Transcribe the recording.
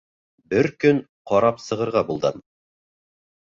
Бер көн ҡарап сығырға булдым.